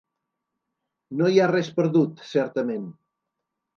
No hi ha res perdut, certament.